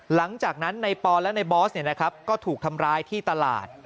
หลังจากนั้นในปอนและในบอสก็ถูกทำร้ายที่ตลาด